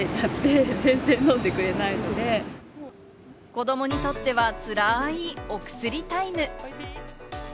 子どもにとってはつらい、お薬タイム。